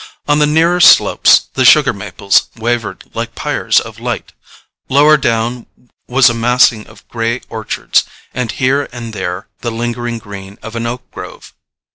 On the nearer slopes the sugar maples wavered like pyres of light; lower down was a massing of grey orchards, and here and there the lingering green of an oak grove.